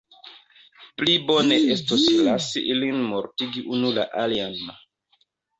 Pli bone estos lasi ilin mortigi unu la alian.